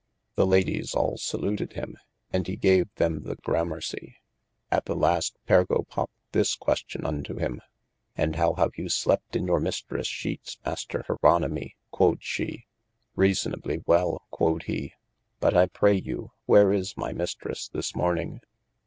The Ladyes all saluted him : and he gave them the gramercy : at the last Pergo popped this question unto him : And howe have you slept in your Mistres shetes Mayster Jeronemy quod she ? reasonably well quod he, but I pray you where is my mistresse this morning